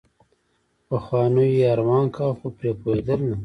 پخوانیو يې ارمان کاوه خو پرې پوهېدل نه.